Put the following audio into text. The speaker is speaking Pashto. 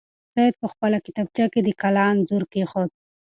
سعید په خپله کتابچه کې د کلا انځور کېښود.